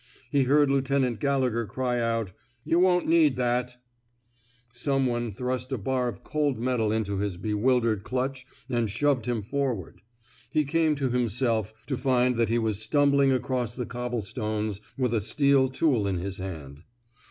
He heard Lieutenant Gallegher cry out :You won *t need that !*^ Some one thrust a bar of cold metal into his bewildered clutch and shoved him forward. He came to himself to find that he was stumbling across the cobblestones with a steel tool in his hand.